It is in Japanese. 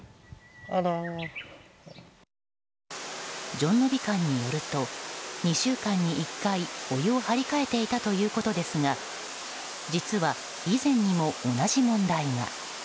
じょんのび館によると２週間に１回お湯を張り替えていたということですが実は以前にも同じ問題が。